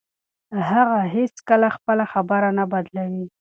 هغه هیڅکله خپله خبره نه بدلوي.